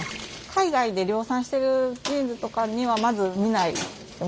海外で量産してるジーンズとかにはまず見ないものだと思います。